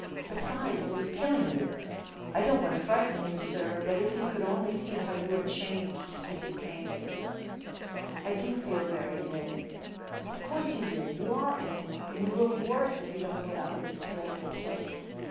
Besides, it is killing you! I don't want to frighten you, sir; but if you could only see how you are changed since you came here " "I do feel very ill." "Of course you do; you are ill, and you will be worse if you don't get out of this dreadful place.